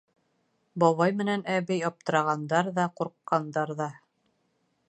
Бабай менән әбей аптырағандар ҙа, ҡурҡҡандар ҙа.